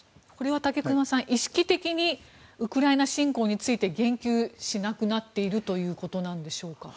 武隈さん、これは意識的にウクライナ侵攻について言及しなくなっているということなんでしょうか？